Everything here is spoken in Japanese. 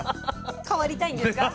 変わりたいんですか？